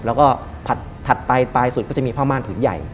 แล้วก็ผัดไปปลายสุดก็จะมีผ้าม่านผืนใหญ่